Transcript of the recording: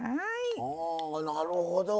なるほど。